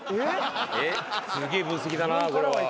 すげえ分析だなこれは。